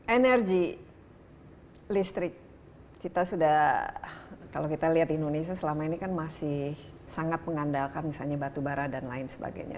energi listrik kita sudah kalau kita lihat indonesia selama ini kan masih sangat mengandalkan misalnya batubara dan lain sebagainya